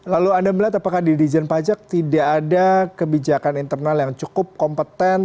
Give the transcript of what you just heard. lalu anda melihat apakah di dijen pajak tidak ada kebijakan internal yang cukup kompeten